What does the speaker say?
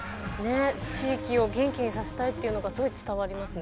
地域を元気にさせたいというのがすごい伝わりますね。